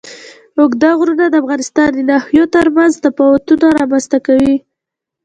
اوږده غرونه د افغانستان د ناحیو ترمنځ تفاوتونه رامنځ ته کوي.